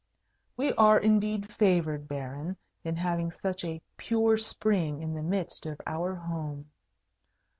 We are indeed favoured, Baron, in having such a pure spring in the midst of our home."